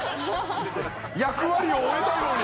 役割を終えたように。